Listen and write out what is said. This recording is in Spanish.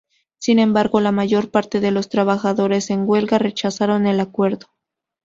Sin embargo, la mayor parte de los trabajadores en huelga rechazan el acuerdo.